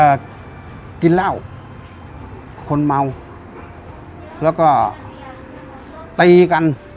กินเหล้าคนเมาแล้วก็ตีกัน